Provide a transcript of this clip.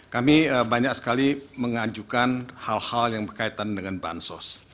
kami banyak sekali mengajukan hal hal yang berkaitan dengan bansos